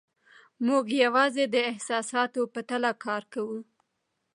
موږ یوازې د احساساتو په تله کار کوو.